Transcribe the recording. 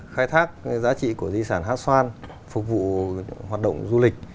khai thác giá trị của di sản hát xoan phục vụ hoạt động du lịch